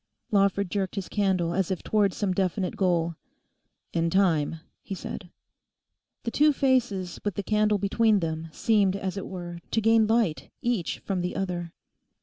Lawford jerked his candle as if towards some definite goal. 'In time,' he said. The two faces with the candle between them seemed as it were to gain light each from the other.